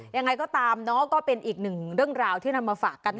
ยังไงก็ตามก็เป็นอีกหนึ่งเรื่องราวที่นำมาฝากกัน